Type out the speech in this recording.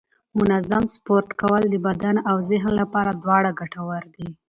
منظم سپورت کول د بدن او ذهن لپاره دواړه ګټور دي